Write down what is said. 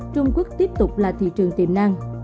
trung quốc tiếp tục là thị trường tiềm năng